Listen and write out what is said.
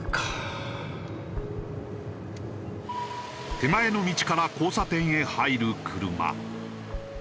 手前の道から交差点へ入る車。